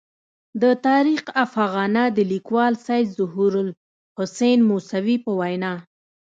د تاریخ افاغنه د لیکوال سید ظهور الحسین موسوي په وینا.